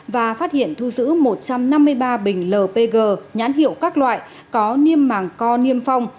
và phát hiện thu giữ một trăm năm mươi ba bình lpg nhãn hiệu các loại có niêm màng co niêm phong